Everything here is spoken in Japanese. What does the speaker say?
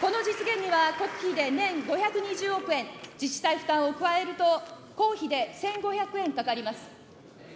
この実現には国費で年５２０億円、自治体負担を加えると、公費で１５００円かかります。